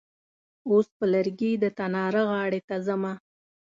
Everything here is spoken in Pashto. اوس په لرګي د تناره غاړې ته ځمه.